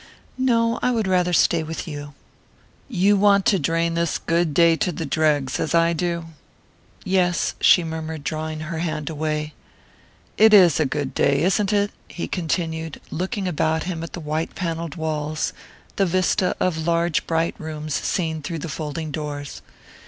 "No, I would rather stay with you." "You want to drain this good day to the dregs, as I do?" "Yes," she murmured, drawing her hand away. "It is a good day, isn't it?" he continued, looking about him at the white panelled walls, the vista of large bright rooms seen through the folding doors.